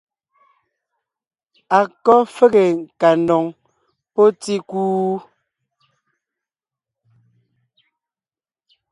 A kɔ́ fege nkandoŋ pɔ́ tíkú?